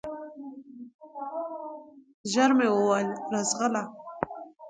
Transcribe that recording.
ژر مي وویل ! راځغله